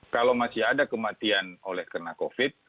kalau masih ada kematian oleh karena covid